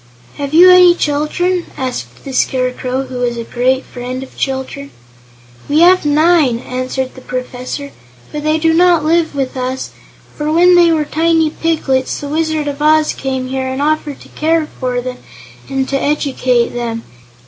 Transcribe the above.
"Have you any children?" asked the Scarecrow, who was a great friend of children. "We have nine," answered the Professor; "but they do not live with us, for when they were tiny piglets the Wizard of Oz came here and offered to care for them and to educate them.